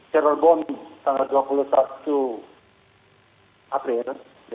serang bom tanggal dua puluh satu april